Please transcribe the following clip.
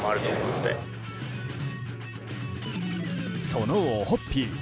そのオホッピー。